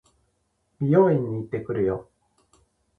美容院に行ってくるよ。